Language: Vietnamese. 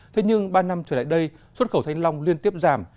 thế nhưng ba năm trở lại đây xuất khẩu thanh long liên tiếp giảm